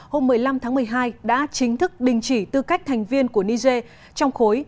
hôm một mươi năm tháng một mươi hai đã chính thức đình chỉ tư cách thành viên của niger trong khối